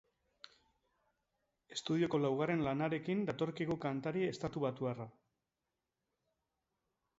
Estudioko laugarren lanarekin datorkigu kantari estatubatuarra.